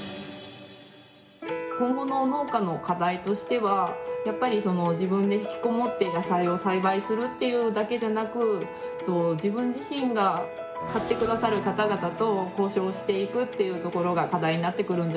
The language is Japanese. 今後の農家の課題としてはやっぱり自分で引きこもって野菜を栽培するっていうだけじゃなく自分自身が買ってくださる方々と交渉していくっていうところが課題になってくるんじゃないかなと思います。